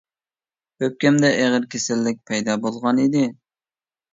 ئۆپكەمدە ئېغىر كېسەللىك پەيدا بولغان ئىدى.